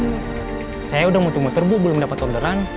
bu saya udah muter muter bu belum dapat orderan